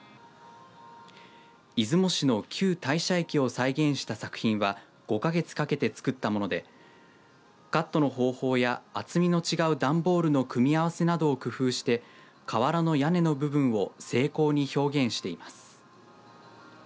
出雲市の旧大社駅を再現した作品は５か月かけて作ったものでカットの方法や厚みの違う段ボールの組み合わせなどを工夫して瓦の屋根の部分を精巧に表現しています。